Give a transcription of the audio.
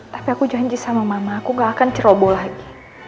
tapi aku janji sama mama aku gak akan ceroboh lagi